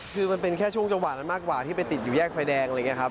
คือมันเป็นแค่ช่วงจังหวะนั้นมากกว่าที่ไปติดอยู่แยกไฟแดงอะไรอย่างนี้ครับ